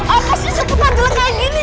apa sih seputar jelek kayak gini